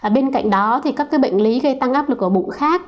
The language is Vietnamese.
bên cạnh đó thì các cái bệnh lý gây tăng ấp lực ổ bụng khác